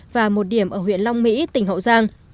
và một điểm ở huyện long mỹ tỉnh hậu giang